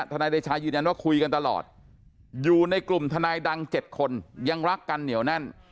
นายเดชายืนยันว่าคุยกันตลอดอยู่ในกลุ่มทนายดัง๗คนยังรักกันเหนียวแน่น